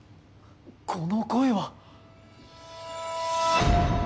この声は！